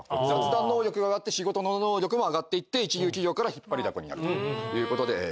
雑談能力が上がって仕事の能力も上がっていって一流企業から引っ張りだこになるという事で。